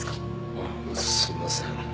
あっすみません。